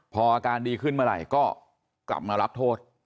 พออาการดีขึ้นเมื่อไหร่ก็กลับมารับโทษ